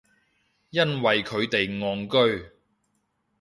因為佢哋戇居